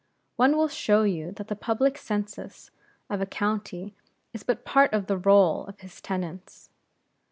One will show you that the public census of a county is but part of the roll of his tenants.